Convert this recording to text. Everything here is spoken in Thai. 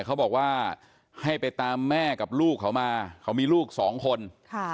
เขาบอกว่าให้ไปตามแม่กับลูกเขามาเขามีลูกสองคนค่ะ